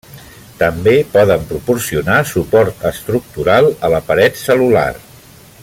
També poden proporcionar suport estructural a la paret cel·lular.